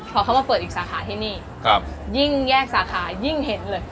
พอเขามาเปิดอีกสาขาที่นี่ยิ่งแยกสาขายิ่งเห็นเลย